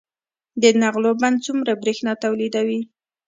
د نغلو بند څومره بریښنا تولیدوي؟